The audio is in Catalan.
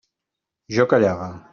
Jo callava.